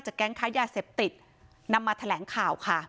แก๊งค้ายาเสพติดนำมาแถลงข่าวค่ะ